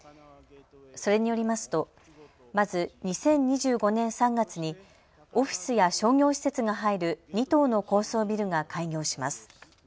それによりますとまず２０２５年３月にオフィスや商業施設が入る２棟の高層ビルが開業します。